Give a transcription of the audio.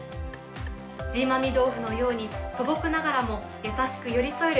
ジーマーミ豆腐のように素朴ながらも優しく寄り添える